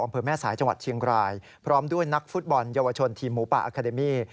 อำเภอแม่สายจังหวัดเชียงรายพร้อมด้วยนักฟุตบอลเยาวชนทีมหมูป่าอาคาเดมี่